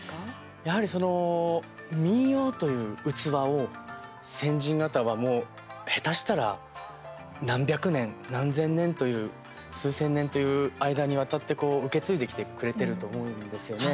やはり、民謡という器を先人型は下手したら何百年、何千年という数千年という間にわたって受け継いできてくれてると思うんですよね。